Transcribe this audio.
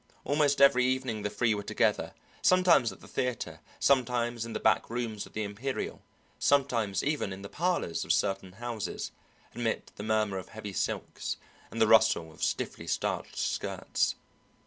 Almost every evening the three were together, sometimes at the theatre, sometimes in the back rooms of the Imperial, sometimes even in the parlours of certain houses, amid the murmur of heavy silks and the rustle of stiffly starched skirts.